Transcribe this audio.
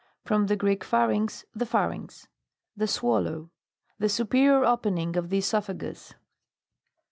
From the Greek, pharugx, the pharynx. The swallow. The superior opening ofthe (Esop'iagus.